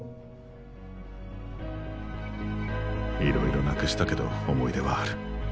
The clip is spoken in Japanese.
いろいろなくしたけど思い出はある。